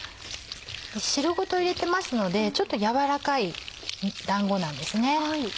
汁ごと入れてますのでちょっと軟らかいだんごなんですね。